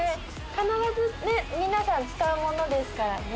必ず皆さん使うものですからね。